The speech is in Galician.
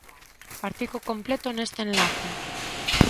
Artigo completo neste enlace.